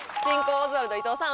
「オズワルド」・伊藤さん